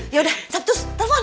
ya udah capcus telepon